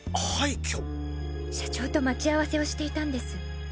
社長と待ち合わせをしていたんです。